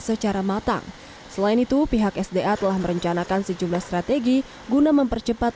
secara matang selain itu pihak sda telah merencanakan sejumlah strategi guna mempercepat